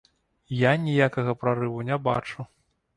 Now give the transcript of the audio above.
Я ніякага прарыву не бачу.